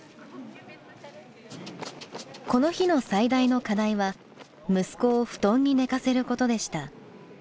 この日の最大の課題は息子を布団に寝かせることでした。